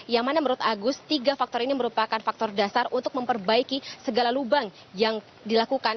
yang mana menurut agus tiga faktor ini merupakan faktor dasar untuk memperbaiki segala lubang yang dilakukan